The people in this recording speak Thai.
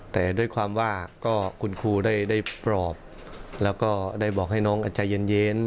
แต่ด้วยความว่าก็คุณครูได้ปลอบแล้วก็ได้บอกให้น้องใจเย็น